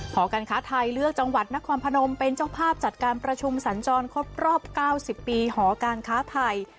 หอการค้าไทยเลือกจังหวัดนครพนมเป็นเจ้าภาพจัดการประชุมสัญจรครบรอบ๙๐ปีหอการค้าไทย